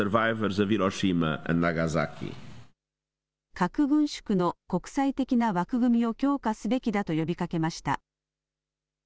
核軍縮の国際的な枠組みを強化すべきだと呼びかけました。